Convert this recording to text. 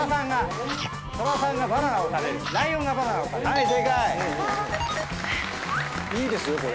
いいですよこれ。